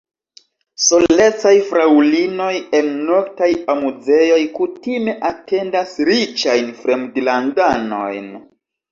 Solecaj fraŭlinoj en noktaj amuzejoj kutime atendas riĉajn fremdlandanojn.